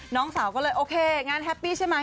น้องสาวก็เลยโอเคงานแฮปปี้ใช่ไหม